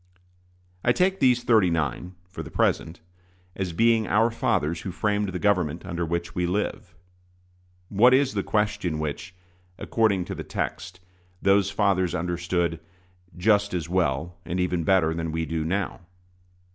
I take these "thirty nine," for the present, as being "our fathers who framed the government under which we live." What is the question which, according to the text, those fathers understood "just as well, and even better, than we do now"?